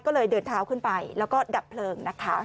ก็เลยเดินเท้าขึ้นไปแล้วก็ดับเพลิงนะคะ